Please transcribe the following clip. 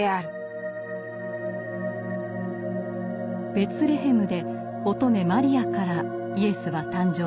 ベツレヘムで乙女マリアからイエスは誕生します。